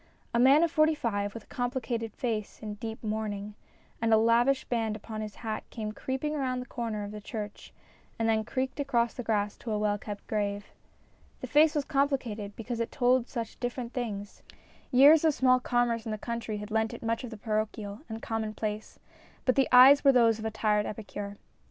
A man of forty five, with a complicated face, in deep mourning, and with a lavish band upon his hat came creaking round the corner of the church and then creaked across the grass to a well kept grave. The face was complicated because it told such different things years of small commerce in the country had lent it much of the parochial and the com monplace, but the eyes were those of a tired epicure.